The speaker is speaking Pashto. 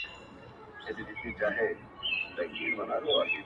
اوس په لمانځه کي دعا نه کوم ښېرا کومه.